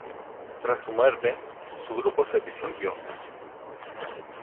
Tras su muerte, su grupo se disolvió.